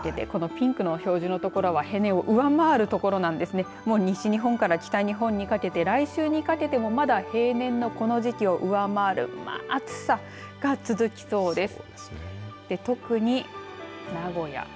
この先、どうなのか、暑さですが来週にかけてこのピンクの表示の所は平年を上回る所なんですが西日本から北日本にかけて来週にかけてもまだ平年のこの時期を上回る暑さが続きそうです。